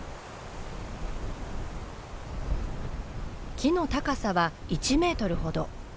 木の高さは１メートルほど。